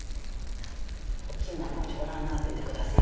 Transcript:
お着物ご覧になっててください。